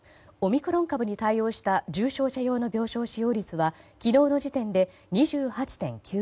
オミクロン株に対応した重症者用の病床使用率は昨日の時点で２８．９％。